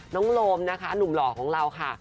โลมนะคะหนุ่มหล่อของเราค่ะ